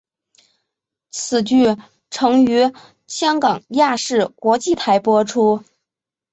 此剧曾于香港亚视国际台播出。